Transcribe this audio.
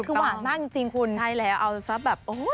คือหวานมากจริงคุณใช่แล้วเอาซะแบบโอ้โห